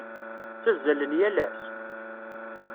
Ttazzalen yal ass?